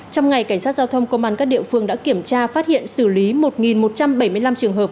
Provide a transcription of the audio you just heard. trong ngày cảnh sát giao thông công an các địa phương đã kiểm tra phát hiện xử lý một một trăm bảy mươi năm trường hợp